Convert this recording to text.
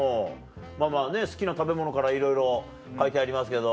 まぁまぁ好きな食べ物からいろいろ書いてありますけど。